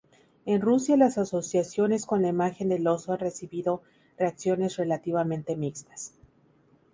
En Rusia las asociaciones con la imagen del oso han recibido reacciones relativamente mixtas.